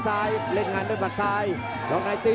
โอ้โหไม่พลาดกับธนาคมโด้แดงเขาสร้างแบบนี้